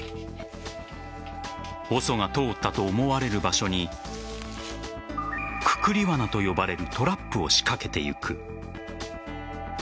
ＯＳＯが通ったと思われる場所にくくり罠と呼ばれるトラップを仕掛けてゆく。